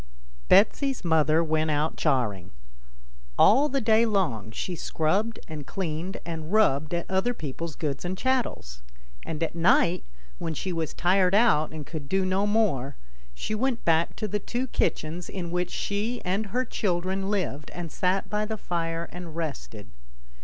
BETSY'S mother went out charing. All the day long she scrubbed and cleaned and rubbed at other people's goods and chattels, and at night, when she was tired out and could do no more, she went back to the two kitchens in which she and her children lived, and sat by the fire and rested.